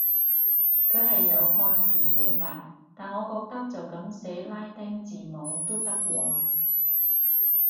佢係有漢字寫法，但我覺得就噉寫拉丁字母都得喎